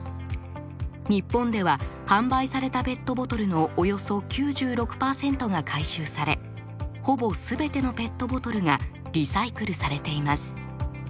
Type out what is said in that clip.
日本では販売されたペットボトルのおよそ９６％が回収されほぼ全てのペットボトルがリサイクルされています。